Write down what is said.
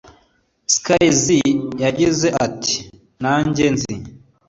Skizzy yagize ati``Nanjye nzi